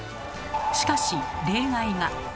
しかし例外が。